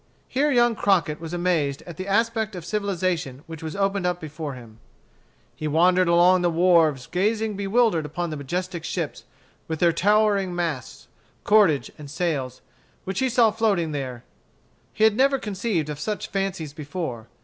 Here young Crockett was amazed at the aspect of civilization which was opened before him. He wandered along the wharves gazing bewildered upon the majestic ships, with their towering masts, cordage, and sails, which he saw floating there He had never conceived of such fabrics before.